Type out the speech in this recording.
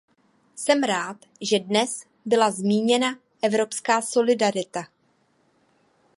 Jsem rád, že dnes byla zmíněna evropská solidarita.